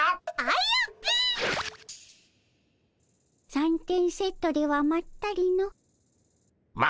三点セットではまったりの。